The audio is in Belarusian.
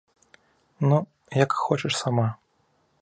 Ну, як хочаш сама.